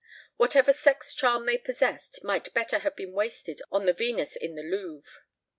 Whatever sex charm they possessed might better have been wasted on the Venus in the Louvre.